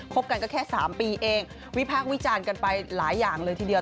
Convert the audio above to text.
บกันก็แค่๓ปีเองวิพากษ์วิจารณ์กันไปหลายอย่างเลยทีเดียว